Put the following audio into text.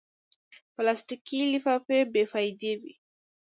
پلاستيکي لفافې بېفایدې وي.